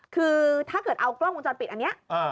คือถ้าเกิดเอากล้องวงจรปิดอันนี้